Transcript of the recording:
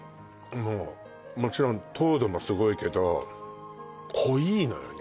もうもちろん糖度もすごいけど濃いのよね